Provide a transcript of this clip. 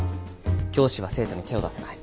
教師は生徒に手を出せない。